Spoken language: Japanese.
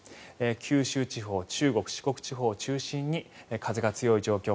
九州地方、中国・四国地方を中心に風が強い状況